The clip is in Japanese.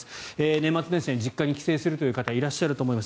年末年始で実家に帰省するという方いらっしゃると思います。